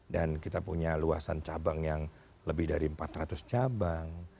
dan kita punya luasan cabang yang lebih dari empat ratus cabang